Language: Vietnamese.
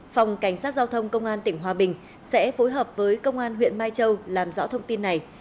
phòng cảnh sát giao thông công an tỉnh hòa bình sẽ phối hợp với công an huyện mai châu làm rõ thông tin này